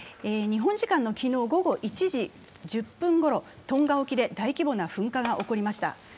日本時間の昨日午後１時１０分ごろ、トンガ沖で大規模な噴火が起こりました。